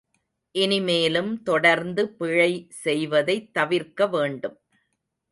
இனிமேலும் தொடர்ந்து பிழை செய்வதைத் தவிர்க்க வேண்டும்.